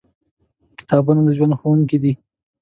کتابونه د ژوند ښوونکي دي.